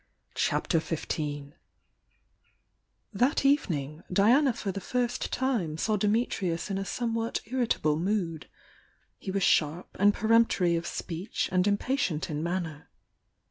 CHAPTER XV That evening Diana for the first time saw Di mitnus in a somewhat irritable mood. He was sharp and peremptory of speech and impatient in manner.